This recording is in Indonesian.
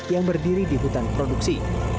yang berdiri di hutan produksi